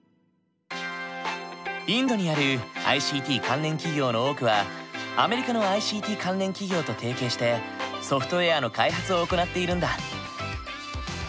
インドにあるＩＣＴ関連企業の多くはアメリカのＩＣＴ関連企業と提携してソフトウェアの開発を行っているんだ。